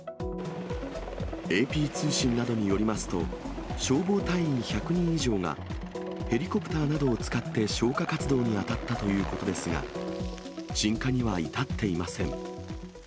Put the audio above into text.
ＡＰ通信などによりますと、消防隊員１００人以上が、ヘリコプターなどを使って消火活動に当たったということですが、鎮火には至っていません。